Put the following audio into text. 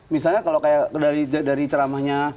misalnya kalau kayak dari ceramahnya